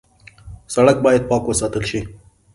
سړک باید پاک وساتل شي.